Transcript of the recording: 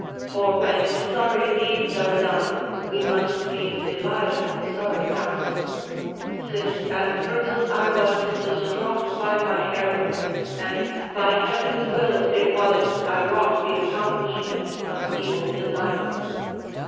For when sorry deeds are done we must needs devise sorry counsel, since at first I was distraught by my error, and by heaven's will it was I wrought the accomplishment of evil desires.